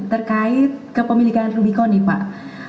terkait kepemilikan rubikoni pak